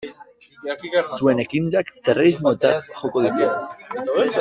Zuen ekintzak terrorismotzat joko ditugu.